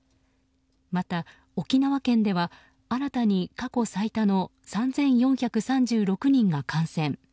また、沖縄県では新たに過去最多の３４３６人が感染。